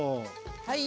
はい。